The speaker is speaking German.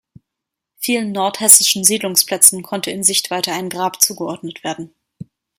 Vielen nordhessischen Siedlungsplätzen konnte in Sichtweite ein Grab zugeordnet werden.